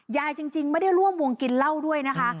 จริงไม่ได้ร่วมวงกินเหล้าด้วยนะคะ